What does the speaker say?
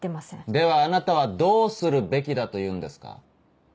ではあなたはどうするべきだというんですか。